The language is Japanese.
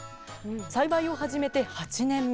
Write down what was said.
栽培を始めて８年目。